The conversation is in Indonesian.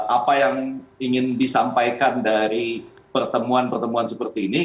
apa yang ingin disampaikan dari pertemuan pertemuan seperti ini